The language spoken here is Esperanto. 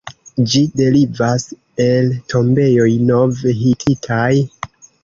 Ĝi derivas el tombejoj nov-hititaj.